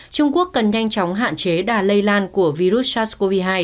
trung quốc cần nhanh chóng hạn chế đà lây lan của virus sars cov hai